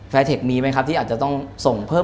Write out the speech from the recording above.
แฟร์เทคมีไหมครับที่อาจจะต้องส่งเพิ่มเพิ่ม